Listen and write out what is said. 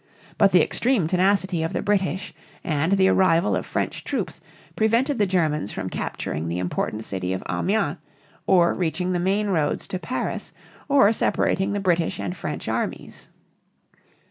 But the extreme tenacity of the British and the arrival of French troops prevented the Germans from capturing the important city of Amiens (ah myăn´), or reaching the main roads to Paris, or separating the British and French armies.